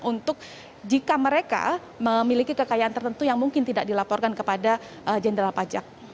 untuk jika mereka memiliki kekayaan tertentu yang mungkin tidak dilaporkan kepada jenderal pajak